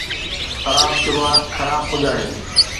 خراب شروعات خراب پڄاڻي